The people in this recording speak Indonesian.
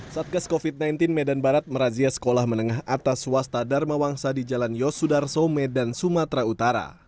satgas covid sembilan belas medan barat merazia sekolah menengah atas swasta dharma wangsa di jalan yosudarso medan sumatera utara